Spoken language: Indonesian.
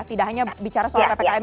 tidak hanya bicara soal ppkm